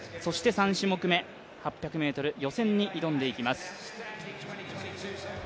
３種目め、８００ｍ予選に挑んでいきます。